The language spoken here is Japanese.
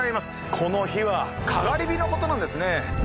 この火はかがり火のことなんですね。